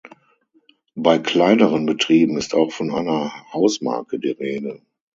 Bei kleineren Betrieben ist auch von einer Hausmarke die Rede.